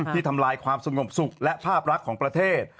ที่ทำลายความสงบสุขและภาพรักของประเทศ